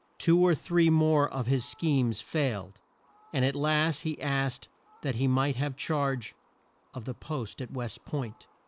Two or three more of his schemes failed, and at last he asked that he might have charge of the post at West Point.